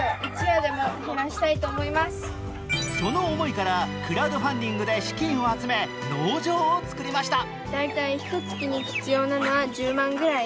その思いからクラウドファンディングで資金を集め農場を作りました。